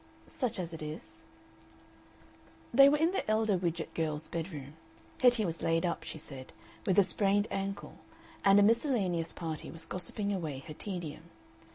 "Such as it is." They were in the elder Widgett girl's bedroom; Hetty was laid up, she said, with a sprained ankle, and a miscellaneous party was gossiping away her tedium.